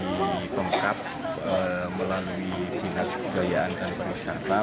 kampung kabupaten mojokerto melalui dinas kekayaan dan perusahaan